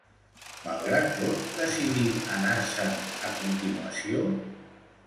Malgrat tot, decidí anar-se'n a continuació?